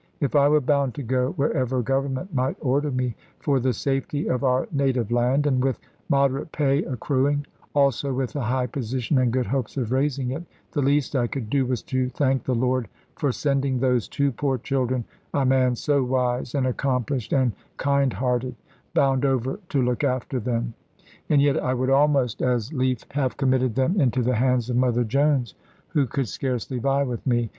If I were bound to go wherever Government might order me, for the safety of our native land, and with moderate pay accruing, also with a high position, and good hopes of raising it, the least I could do was to thank the Lord for sending those two poor children a man, so wise, and accomplished, and kind hearted, bound over to look after them. And yet I would almost as lief have committed them into the hands of Mother Jones, who could scarcely vie with me.